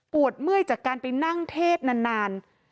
เมื่อยจากการไปนั่งเทศนาน